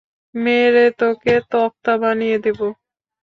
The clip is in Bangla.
মেরে তোকে তক্তা বানিয়ে দেবো।